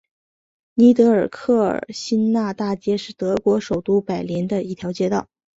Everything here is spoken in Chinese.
尼德尔克尔新纳大街是德国首都柏林的一条街道。